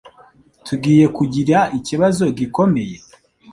Tugiye kugira ikibazo gikomeye?